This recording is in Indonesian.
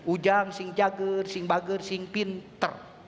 ujang sing jagger sing bagger sing pinter